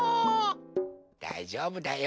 だいじょうぶだよ。